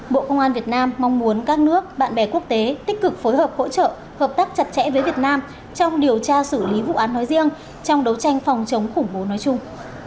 bộ công an việt nam mong muốn các nước bạn bè quốc tế tích cực phối hợp hỗ trợ hợp tác chặt chẽ với việt nam trong điều tra xử lý vụ án nói riêng trong đấu tranh phòng chống khủng bố nói chung